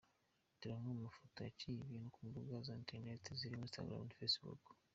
Dore amwe mu mafoto yaciye ibintu ku mbuga za interinete zirimo Instagram na Facebook .